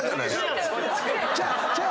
ちゃう！